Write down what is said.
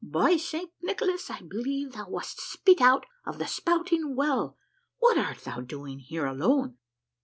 By Saint Nicholas, I believe thou wast spit out of the spouting well I What art thou doing here alone?"